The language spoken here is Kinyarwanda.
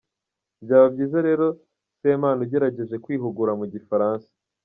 Byaba byiza rero Semana ugerageje kwihugura mu gifaransa.